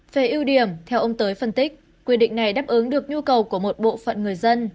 về ưu điểm theo ông tới phân tích quy định này đáp ứng được nhu cầu của một bộ phận người dân